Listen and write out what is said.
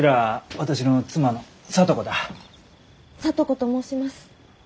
聡子と申します。